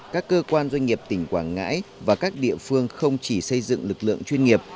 các cơ quan doanh nghiệp tỉnh quảng ngãi và các địa phương không chỉ xây dựng lực lượng chuyên nghiệp